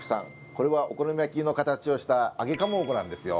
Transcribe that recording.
これは、お好み焼きの形をした揚げかまぼこなんですよ。